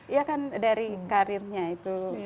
iya kan dari karirnya itu